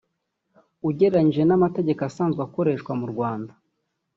ugereranyije n’amategeko asanzwe akoreshwa mu Rwanda